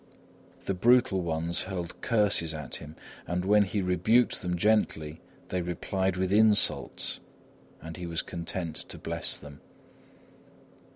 The brutal ones hurled curses at him, and when he rebuked them gently they replied with insults, and he was content to bless them.